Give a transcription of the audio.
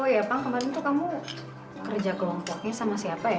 oh ya kang kemarin tuh kamu kerja kelompoknya sama siapa ya